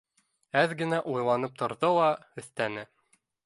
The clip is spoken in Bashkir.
— Әҙ генә уйланып торҙо ла өҫтә не